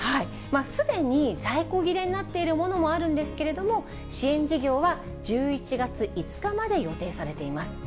すでに在庫切れになっているものもあるんですけれども、支援事業は１１月５日まで予定されています。